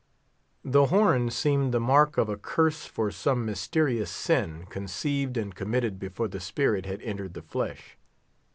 The horn seemed the mark of a curse for some mysterious sin, conceived and committed before the spirit had entered the flesh.